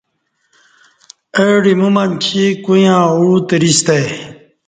اہ ڈہ ایمو مچی کویاں اوع تریستہ ای